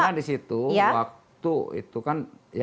karena disitu waktu itu kan